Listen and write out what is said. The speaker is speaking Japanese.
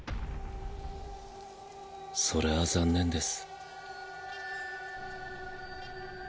それは残念です。